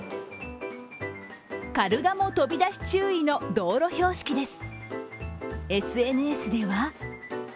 カルガモ飛び出し注意の道路標識です。